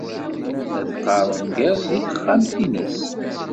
La teqqar ungal deg texxamt-nnes.